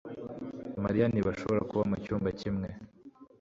Mariya ntibashobora kuba mucyumba kimwe